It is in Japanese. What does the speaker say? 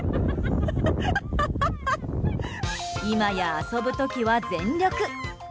今や遊ぶ時は全力。